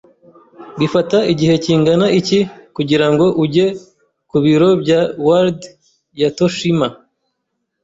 Bifata igihe kingana iki kugira ngo ujye ku biro bya Ward ya Toshima?